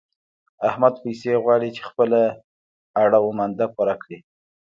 احمد پيسې غواړي چې خپله اړه و مانده پوره کړي.